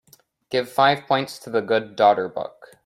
Give five points to The Good Daughter book